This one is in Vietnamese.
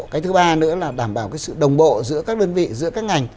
cái thứ ba nữa là đảm bảo cái sự đồng bộ giữa các đơn vị giữa các ngành